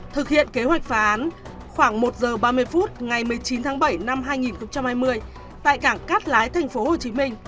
thực hiện kế hoạch phá án khoảng một giờ ba mươi phút ngày một mươi chín tháng bảy năm hai nghìn hai mươi tại cảng cát lái tp hcm